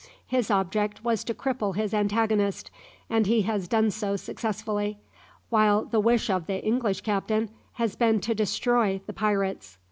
His object was to cripple his antagonist, and he has done so successfully, while the wish of the English captain has been to destroy the pirates."